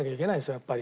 やっぱり。